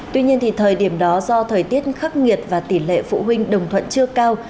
tuy nhiên thời điểm đó do thời tiết khắc nghiệt và tỷ lệ phụ huynh đồng thuận chưa cao